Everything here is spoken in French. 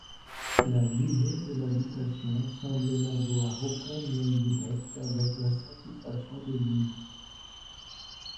La durée de l'éducation semble n'avoir aucun lien direct avec la satisfaction de vivre.